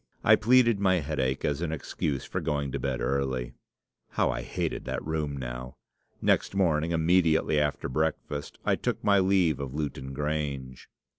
I pleaded my headache as an excuse for going to bed early. How I hated the room now! Next morning, immediately after breakfast, I took my leave of Lewton Grange."